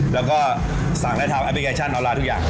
แล้วก็สั่งได้ทางแอปพลิเคชันออนไลน์ทุกอย่าง